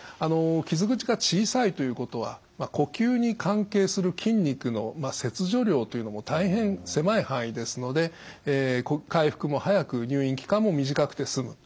傷口が小さいということは呼吸に関係する筋肉の切除量というのも大変狭い範囲ですので回復も早く入院期間も短くて済む。